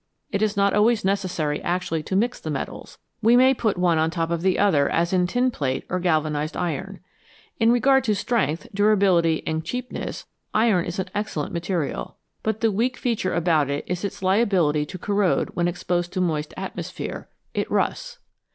It is not always necessary actually to mix the metals ; we may put one on the top of the other, as in tinplate or galvanised iron. In regard to strength, durability, and cheapness, iron is an excellent material, but the weak feature about it is its liability to corrode when exposed to a moist atmosphere : it rusts.